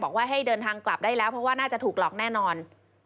บอกว่าให้เดินทางกลับได้แล้วเพราะว่าน่าจะถูกหลอกแน่นอน